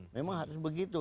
memang harus begitu